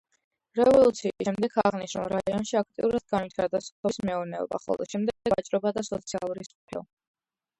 რევოლუციის შემდეგ აღნიშნულ რაიონში აქტიურად განვითარდა სოფლის მეურნეობა, ხოლო შემდეგ ვაჭრობა და სოციალური სფერო.